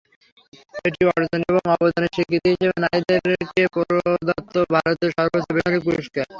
এটি অর্জন এবং অবদানের স্বীকৃতি হিসাবে নারীদেরকে প্রদত্ত ভারতের সর্বোচ্চ বেসামরিক পুরস্কার।